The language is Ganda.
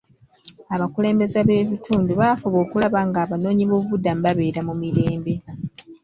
Abakulembeze b'ebitundu baafuba okulaba nga abanoonyiboobubudamu babeera mu mirembe.